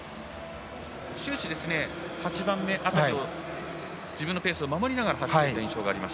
終始、８番目辺りで自分のペースを守りながら走っていた印象です。